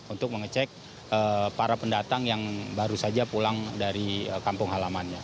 untuk mengecek para pendatang yang baru saja pulang dari kampung halamannya